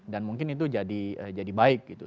dan mungkin itu jadi baik gitu